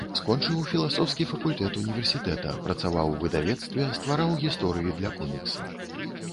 Скончыў філасофскі факультэт універсітэта, працаваў у выдавецтве, ствараў гісторыі для коміксаў.